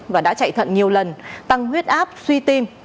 và đã chạy thận nhiều lần tăng huyết áp suy tim